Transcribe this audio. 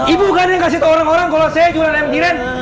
ibu bukan yang kasih tahu orang orang kalau saya jualan ayam kirim